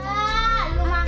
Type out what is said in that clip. ngeluluk sama pembokat